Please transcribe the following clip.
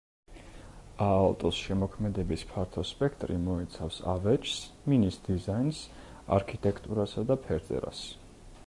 აალტოს შემოქმედების ფართო სპექტრი მოიცავს ავეჯს, მინის დიზაინს, არქიტექტურასა და ფერწერას.